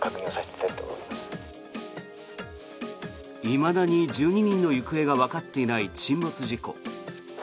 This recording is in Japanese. いまだに１２人の行方がわかっていない沈没事故。